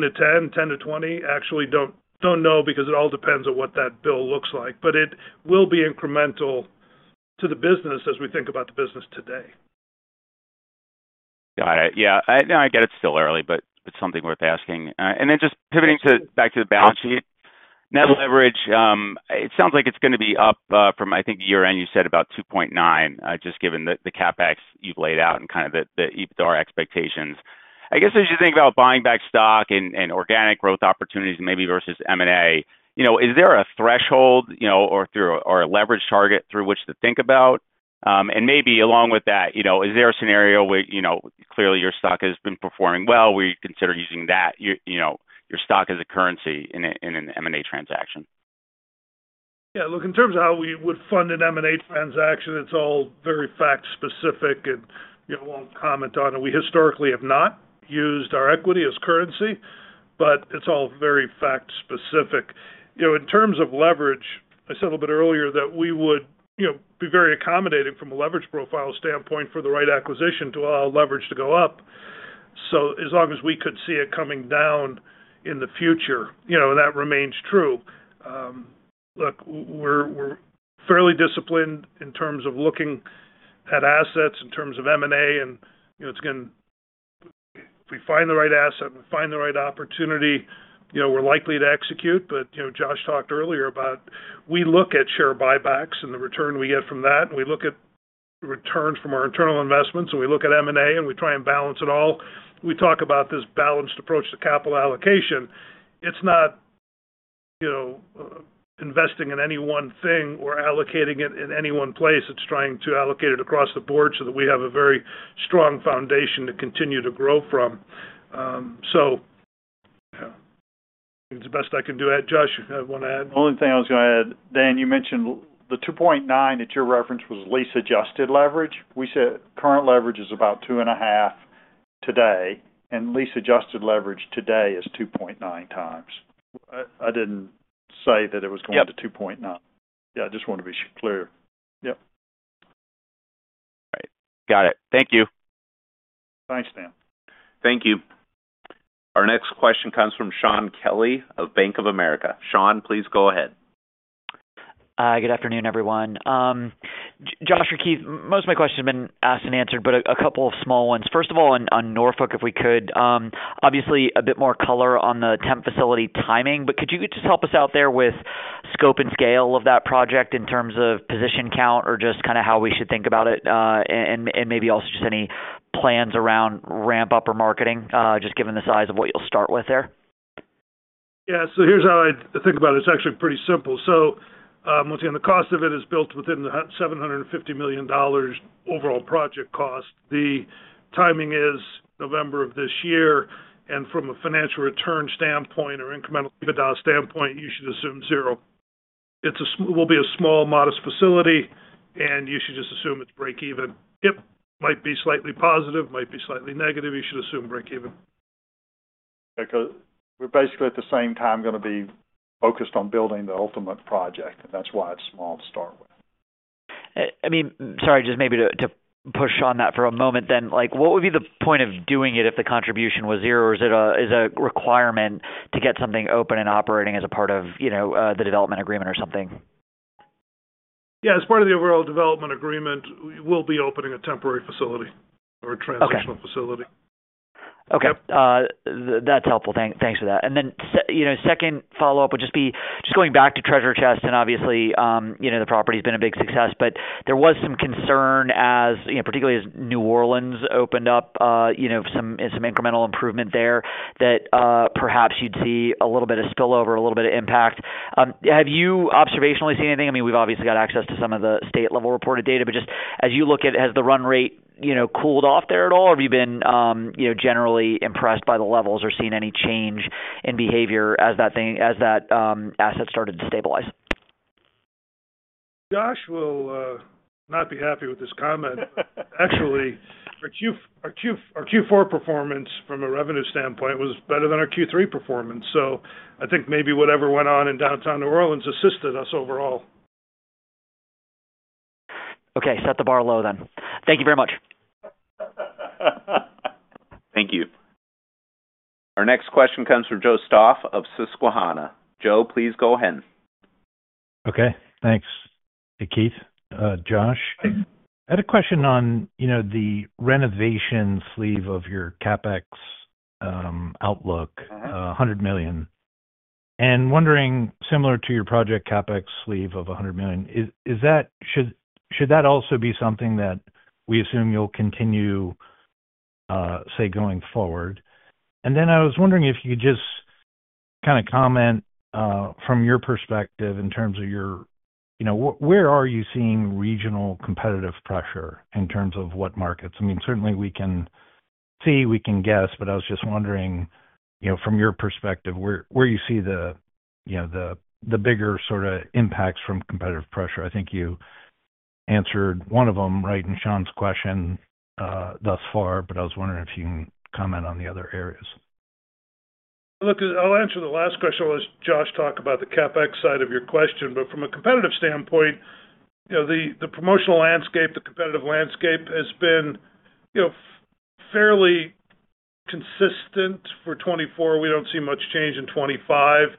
to 10, 10 to 20? Actually, I don't know because it all depends on what that bill looks like. But it will be incremental to the business as we think about the business today. Got it. Yeah. I get it's still early, but it's something worth asking. And then just pivoting back to the balance sheet, net leverage, it sounds like it's going to be up from, I think, year-end, you said about 2.9, just given the CapEx you've laid out and kind of our expectations. I guess as you think about buying back stock and organic growth opportunities, maybe versus M&A, is there a threshold or a leverage target through which to think about? And maybe along with that, is there a scenario where clearly your stock has been performing well, we consider using that, your stock as a currency in an M&A transaction? Yeah. Look, in terms of how we would fund an M&A transaction, it's all very fact-specific, and I won't comment on it. We historically have not used our equity as currency, but it's all very fact-specific. In terms of leverage, I said a little bit earlier that we would be very accommodating from a leverage profile standpoint for the right acquisition to allow leverage to go up, so as long as we could see it coming down in the future, that remains true. Look, we're fairly disciplined in terms of looking at assets in terms of M&A, and once again, if we find the right asset, we find the right opportunity, we're likely to execute. But Josh talked earlier about we look at share buybacks and the return we get from that, and we look at returns from our internal investments, and we look at M&A and we try and balance it all. We talk about this balanced approach to capital allocation. It's not investing in any one thing or allocating it in any one place. It's trying to allocate it across the board so that we have a very strong foundation to continue to grow from. So it's the best I can do. Josh, you want to add? The only thing I was going to add, Dan, you mentioned the 2.9 that your reference was lease-adjusted leverage. We said current leverage is about 2.5 today, and lease-adjusted leverage today is 2.9 times. I didn't say that it was going to 2.9. Yeah, I just wanted to be clear. Yep. All right. Got it. Thank you. Thanks, Dan. Thank you. Our next question comes from Shaun Kelley of Bank of America. Shaun, please go ahead. Hi. Good afternoon, everyone. Josh or Keith, most of my questions have been asked and answered, but a couple of small ones. First of all, on Norfolk, if we could, obviously a bit more color on the temp facility timing. But could you just help us out there with scope and scale of that project in terms of position count or just kind of how we should think about it and maybe also just any plans around ramp-up or marketing, just given the size of what you'll start with there? Yeah. So here's how I think about it. It's actually pretty simple. So once again, the cost of it is built within the $750 million overall project cost. The timing is November of this year. From a financial return standpoint or incremental EBITDA standpoint, you should assume zero. It will be a small, modest facility, and you should just assume it's break-even. Yep. Might be slightly positive, might be slightly negative. You should assume break-even. Because we're basically at the same time going to be focused on building the ultimate project, and that's why it's small to start with. I mean, sorry, just maybe to push on that for a moment then, what would be the point of doing it if the contribution was zero? Is it a requirement to get something open and operating as a part of the development agreement or something? Yeah. As part of the overall development agreement, we will be opening a temporary facility or a transitional facility. Okay. That's helpful. Thanks for that. And then second follow-up would just be going back to Treasure Chest. Obviously, the property has been a big success, but there was some concern, particularly as New Orleans opened up, some incremental improvement there that perhaps you'd see a little bit of spillover, a little bit of impact. Have you observationally seen anything? I mean, we've obviously got access to some of the state-level reported data, but just as you look at it, has the run rate cooled off there at all? Or have you been generally impressed by the levels or seen any change in behavior as that asset started to stabilize? Josh will not be happy with this comment. Actually, our Q4 performance from a revenue standpoint was better than our Q3 performance. So I think maybe whatever went on in downtown New Orleans assisted us overall. Okay. Set the bar low then. Thank you very much. Thank you. Our next question comes from Joe Stauff of Susquehanna.Joe, please go ahead. Okay. Thanks. Hey, Keith. Josh, I had a question on the renovation sleeve of your CapEx outlook, $100 million. And wondering, similar to your project CapEx sleeve of $100 million, should that also be something that we assume you'll continue, say, going forward? And then I was wondering if you could just kind of comment from your perspective in terms of your, where are you seeing regional competitive pressure in terms of what markets? I mean, certainly, we can see, we can guess, but I was just wondering, from your perspective, where you see the bigger sort of impacts from competitive pressure? I think you answered one of them right in Shaun's question thus far, but I was wondering if you can comment on the other areas. Look, I'll answer the last question. I'll let Josh talk about the CapEx side of your question. But from a competitive standpoint, the promotional landscape, the competitive landscape has been fairly consistent for 2024. We don't see much change in 2025.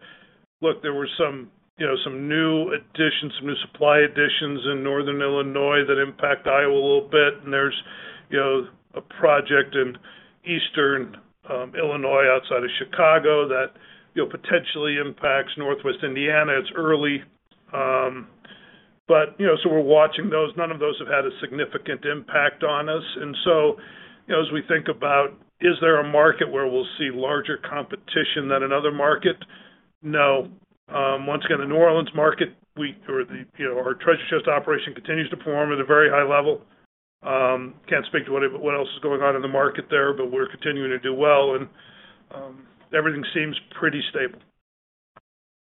Look, there were some new additions, some new supply additions in Northern Illinois that impact Iowa a little bit. And there's a project in Eastern Illinois outside of Chicago that potentially impacts Northwest Indiana. It's early. But so we're watching those. None of those have had a significant impact on us. And so as we think about, is there a market where we'll see larger competition than another market? No. Once again, the New Orleans market or our Treasure Chest operation continues to perform at a very high level. Can't speak to what else is going on in the market there, but we're continuing to do well. And everything seems pretty stable.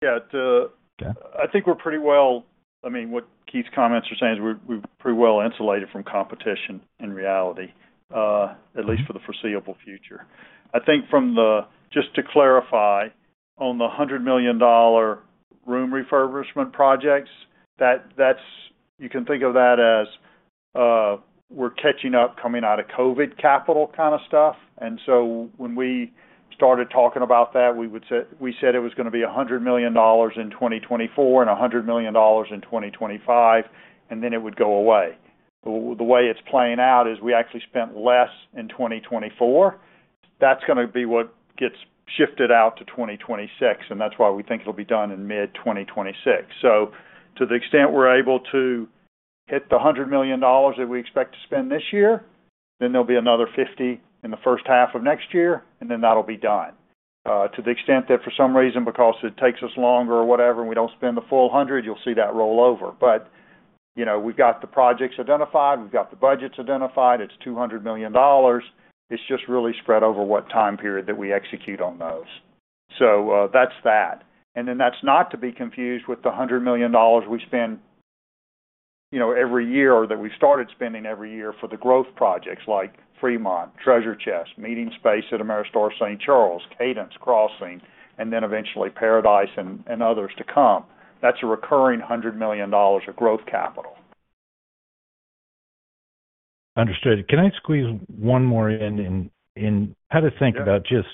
Yeah. I think we're pretty well, I mean, what Keith's comments are saying is we're pretty well insulated from competition in reality, at least for the foreseeable future. I think just to clarify, on the $100 million room refurbishment projects, you can think of that as we're catching up coming out of COVID capital kind of stuff. And so when we started talking about that, we said it was going to be $100 million in 2024 and $100 million in 2025, and then it would go away. The way it's playing out is we actually spent less in 2024. That's going to be what gets shifted out to 2026. And that's why we think it'll be done in mid-2026. So to the extent we're able to hit the $100 million that we expect to spend this year, then there'll be another 50 in the first half of next year, and then that'll be done. To the extent that for some reason, because it takes us longer or whatever, and we don't spend the full 100, you'll see that roll over, but we've got the projects identified. We've got the budgets identified. It's $200 million. It's just really spread over what time period that we execute on those, so that's that, and then that's not to be confused with the $100 million we spend every year or that we've started spending every year for the growth projects like Fremont, Treasure Chest, Meeting Space at Ameristar St. Charles, Cadence Crossing, and then eventually Par-A-Dice and others to come. That's a recurring $100 million of growth capital. Understood. Can I squeeze one more in? And how to think about just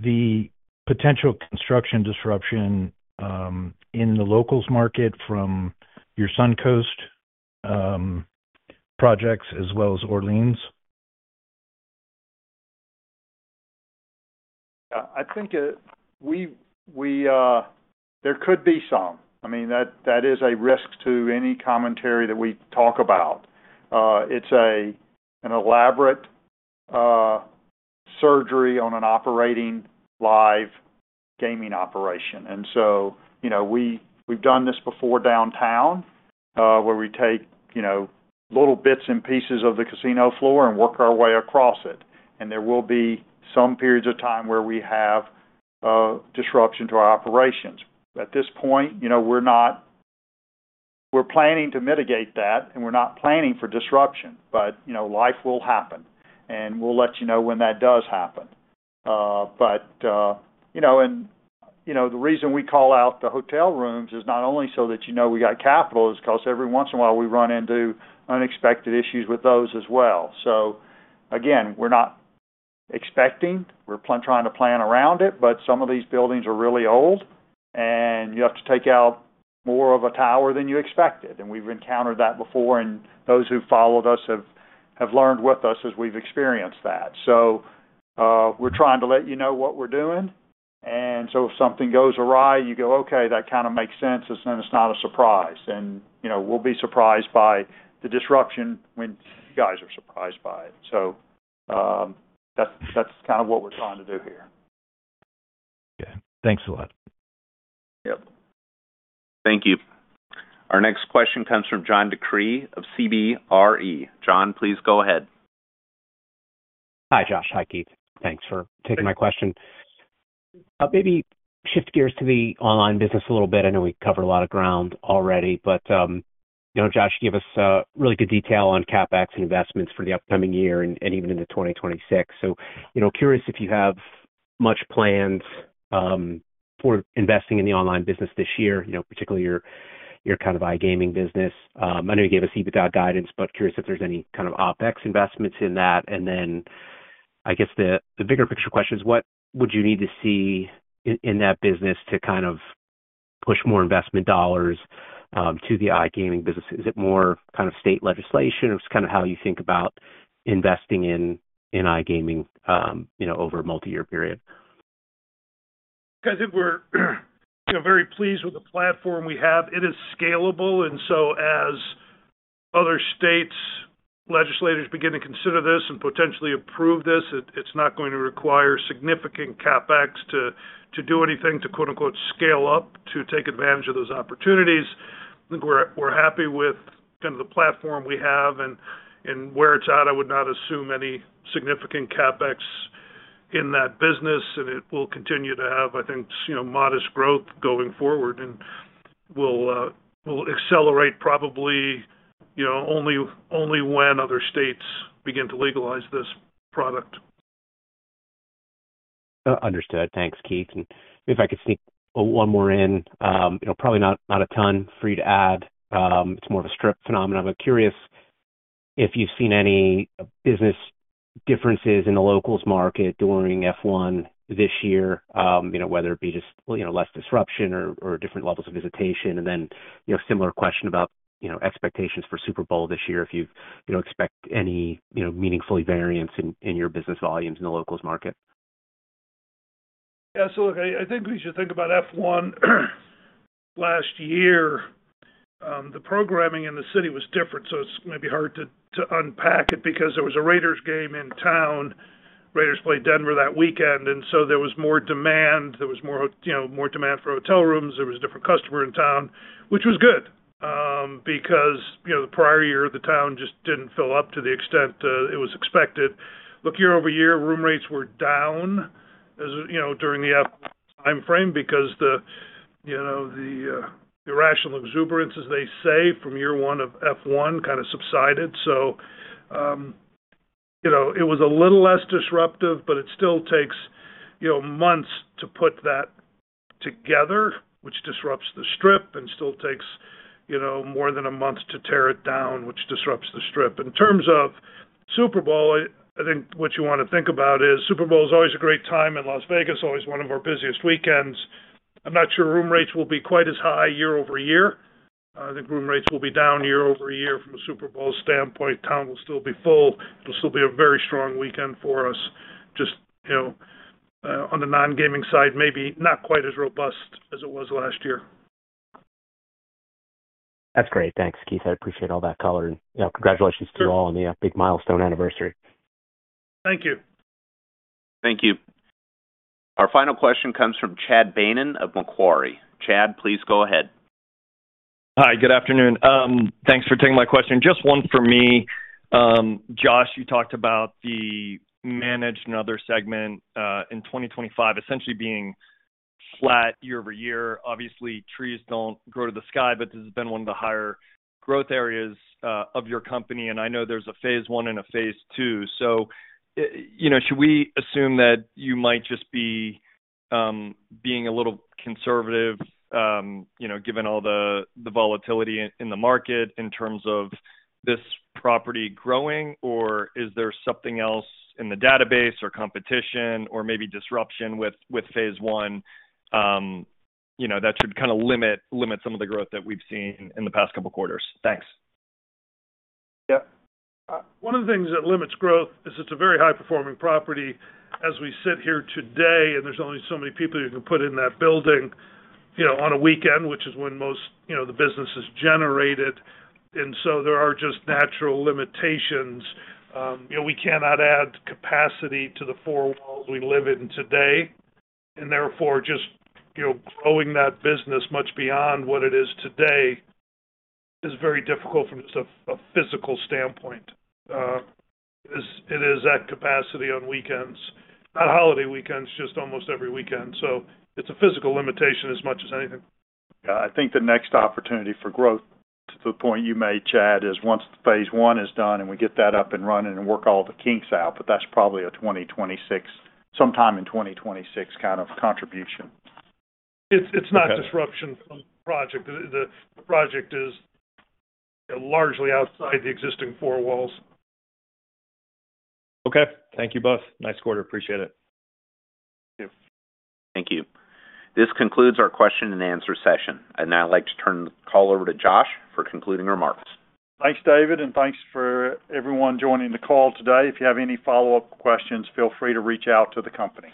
the potential construction disruption in the locals' market from your Suncoast projects as well as Orleans? Yeah. I think there could be some. I mean, that is a risk to any commentary that we talk about. It's an elaborate surgery on an operating live gaming operation. And so we've done this before downtown where we take little bits and pieces of the casino floor and work our way across it. And there will be some periods of time where we have disruption to our operations. At this point, we're planning to mitigate that, and we're not planning for disruption, but life will happen. And we'll let you know when that does happen. But the reason we call out the hotel rooms is not only so that you know we got capital is because every once in a while, we run into unexpected issues with those as well. So again, we're not expecting. We're trying to plan around it, but some of these buildings are really old, and you have to take out more of a tower than you expected. And we've encountered that before, and those who followed us have learned with us as we've experienced that. So we're trying to let you know what we're doing. And so if something goes awry, you go, "Okay. That kind of makes sense." And then it's not a surprise. And we'll be surprised by the disruption when you guys are surprised by it. So that's kind of what we're trying to do here. Okay. Thanks a lot. Yep. Thank you. Our next question comes from John DeCree of CBRE. John, please go ahead. Hi, Josh. Hi, Keith. Thanks for taking my question. Maybe shift gears to the Online business a little bit. I know we covered a lot of ground already, but Josh gave us really good detail on CapEx and investments for the upcoming year and even into 2026. So curious if you have much planned for investing in the Online business this year, particularly your kind of iGaming business. I know you gave us EBITDA guidance, but curious if there's any kind of OpEx investments in that. And then I guess the bigger picture question is, what would you need to see in that business to kind of push more investment dollars to the iGaming business? Is it more kind of state legislation, or it's kind of how you think about investing in iGaming over a multi-year period? Because if we're very pleased with the platform we have, it is scalable. And so as other states' legislators begin to consider this and potentially approve this, it's not going to require significant CapEx to do anything to "scale up" to take advantage of those opportunities. I think we're happy with kind of the platform we have. And where it's at, I would not assume any significant CapEx in that business. And it will continue to have, I think, modest growth going forward. And we'll accelerate probably only when other states begin to legalize this product. Understood. Thanks, Keith. And if I could sneak one more in, probably not a ton for you to add. It's more of a Strip phenomenon. But curious if you've seen any business differences in the locals' market during F1 this year, whether it be just less disruption or different levels of visitation. And then similar question about expectations for Super Bowl this year, if you expect any meaningfully variance in your business volumes in the locals' market. Yeah. So look, I think we should think about F1 last year. The programming in the city was different. So it's maybe hard to unpack it because there was a Raiders game in town. Raiders played Denver that weekend. And so there was more demand. There was more demand for hotel rooms. There was a different customer in town, which was good because the prior year, the town just didn't fill up to the extent it was expected. Look, year over year, room rates were down during the F1 timeframe because the irrational exuberance, as they say, from year one of F1 kind of subsided. So it was a little less disruptive, but it still takes months to put that together, which disrupts the Strip, and still takes more than a month to tear it down, which disrupts the Strip. In terms of Super Bowl, I think what you want to think about is Super Bowl is always a great time in Las Vegas, always one of our busiest weekends. I'm not sure room rates will be quite as high year over year. I think room rates will be down year over year from a Super Bowl standpoint. Town will still be full. It'll still be a very strong weekend for us. Just on the non-gaming side, maybe not quite as robust as it was last year. That's great. Thanks, Keith. I appreciate all that color. And congratulations to you all on the big milestone anniversary. Thank you. Thank you. Our final question comes from Chad Beynon of Macquarie. Chad, please go ahead. Hi. Good afternoon. Thanks for taking my question. Just one for me. Josh, you talked about the Managed and Other segment in 2025 essentially being flat year over year. Obviously, trees don't grow to the sky, but this has been one of the higher growth areas of your company. And I know there's a phase one and a phase two. So should we assume that you might just be being a little conservative given all the volatility in the market in terms of this property growing? Or is there something else in the database or competition or maybe disruption with phase one that should kind of limit some of the growth that we've seen in the past couple of quarters? Thanks. Yeah. One of the things that limits growth is it's a very high-performing property as we sit here today, and there's only so many people you can put in that building on a weekend, which is when most of the business is generated, and so there are just natural limitations. We cannot add capacity to the four walls we live in today, and therefore, just growing that business much beyond what it is today is very difficult from just a physical standpoint. It is at capacity on weekends, not holiday weekends, just almost every weekend, so it's a physical limitation as much as anything. Yeah. I think the next opportunity for growth to the point you made, Chad, is once phase one is done and we get that up and running and work all the kinks out, but that's probably a 2026, sometime in 2026 kind of contribution. It's not disruption from the project. The project is largely outside the existing four walls. Okay. Thank you both. Nice quarter. Appreciate it. Thank you. Thank you. This concludes our question and answer session. And now I'd like to turn the call over to Josh for concluding remarks. Thanks, David. And thanks for everyone joining the call today. If you have any follow-up questions, feel free to reach out to the company.